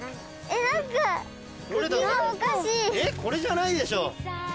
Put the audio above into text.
えっこれじゃないでしょ。